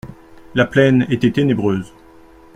La plaine était ténébreuse.